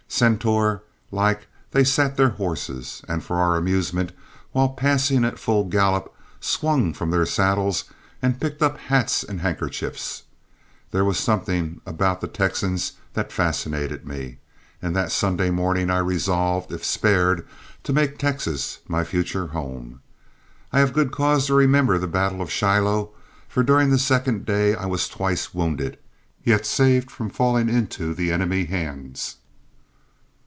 Centaur like they sat their horses, and for our amusement, while passing at full gallop, swung from their saddles and picked up hats and handkerchiefs. There was something about the Texans that fascinated me, and that Sunday morning I resolved, if spared, to make Texas my future home. I have good cause to remember the battle of Shiloh, for during the second day I was twice wounded, yet saved from falling into the enemy's hands.